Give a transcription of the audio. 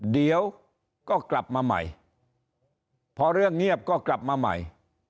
เดี๋ยวก็กลับมาใหม่พอเรื่องเงียบก็กลับมาใหม่